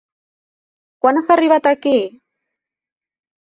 Quan has arribat aquí?